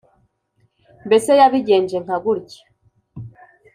mbese yabigenje nka gutya."